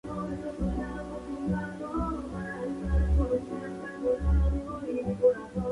Este palacio muestra un buen ejemplo de lo que debieron ser los decorados teotihuacanos.